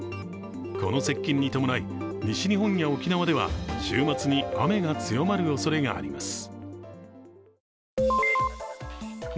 この接近に伴い、西日本や沖縄では週末に雨が強まるおそれがあります。